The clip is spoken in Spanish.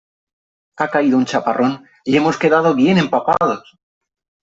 Ha caído un chaparrón ¡y hemos quedado bien empapados!